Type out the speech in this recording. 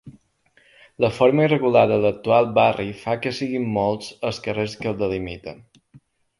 La forma irregular de l'actual barri fa que siguen molts els carrers que el delimiten.